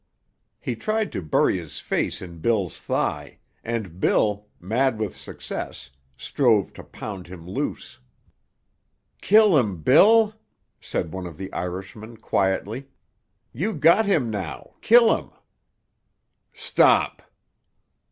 He tried to bury his face in Bill's thigh; and Bill, mad with success, strove to pound him loose. "Kill him, Bill!" said one of the Irishmen quietly. "You got him now; kill him." "Stop."